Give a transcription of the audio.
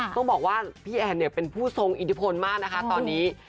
ต้องบอกว่าพี่แอนเนี่ยเป็นผู้ทรงอิทธิพลมากนะคะตอนนี้